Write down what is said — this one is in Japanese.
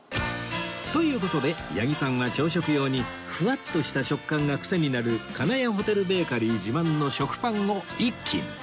という事で八木さんは朝食用にフワッとした食感がクセになる金谷ホテルベーカリー自慢の食パンを１斤